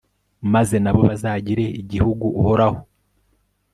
maze na bo bazagire igihugu uhoraho